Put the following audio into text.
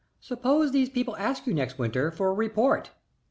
"Suppose these people ask you next winter for a report?"